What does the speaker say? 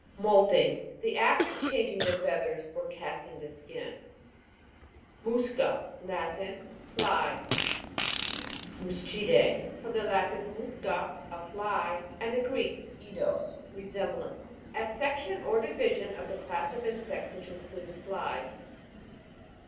MOULT'ING. The act of chang ing the feathers or casting the skin. MUS'CA. Latin. Fly, MUSCI'D^E. From the Latin, musca, a fly, and the Greek, eidos, resem blance. A section or division of the class of insects, which includes flies.